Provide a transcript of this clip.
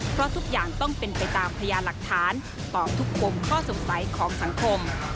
เพราะทุกอย่างต้องเป็นไปตามพยานหลักฐานตอบทุกปมข้อสงสัยของสังคม